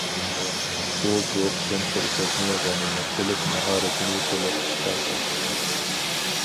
ئۇ بۇ قېتىم پۇرسەتنى غەنىيمەت بىلىپ، ماھارىتىنى تولۇق ئىشقا سالدى.